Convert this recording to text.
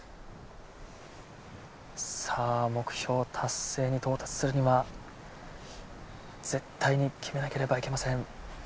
さあ目標達成に到達するには絶対に決めなければいけません。